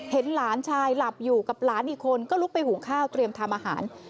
เห็นหลานชายหลับอยู่กับหลานอีกคนก็ลุกไปหุงข้าวเตรียมทำอาหาร